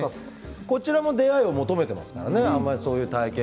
こちらも出会いを求めてますからね。